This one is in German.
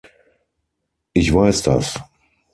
Ich weiß das.